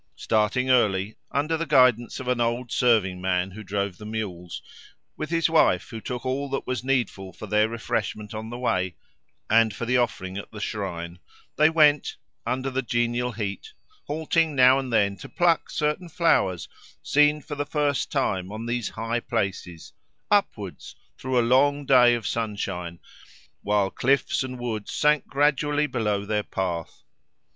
Starting early, under the guidance of an old serving man who drove the mules, with his wife who took all that was needful for their refreshment on the way and for the offering at the shrine, they went, under the genial heat, halting now and then to pluck certain flowers seen for the first time on these high places, upwards, through a long day of sunshine, while cliffs and woods sank gradually below their path.